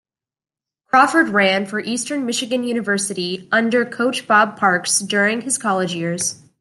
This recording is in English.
Crawford ran for Eastern Michigan University under coach Bob Parks during his college years.